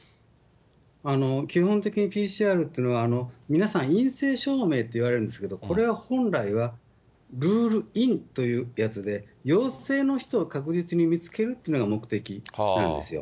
基本的にＰＣＲっていうのは、皆さん、陰性証明っていわれるんですけれども、これは本来は、ルールインというやつで、陽性の人を確実に見つけるのが目的なんですよ。